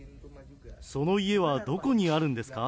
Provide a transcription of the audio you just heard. その家はどこにあるんですか？